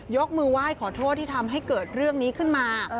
ยกมือไหว้ขอโทษที่ทำให้เกิดเรื่องนี้ขึ้นมา